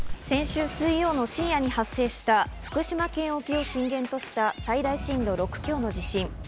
先週水曜の深夜に発生した福島県沖を震源とした、最大震度６強の地震。